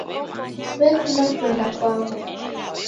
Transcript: Siw'ekunda kuenda kwaw'o.